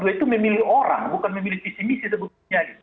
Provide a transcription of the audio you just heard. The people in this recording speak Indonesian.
dua ratus dua belas itu memilih orang bukan memilih visi misi sebetulnya